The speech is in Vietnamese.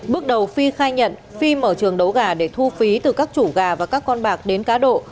bước đầu phi khai nhận phi mở trường đấu gà để thu phí từ các chủ gà và các con bạc đến cá độ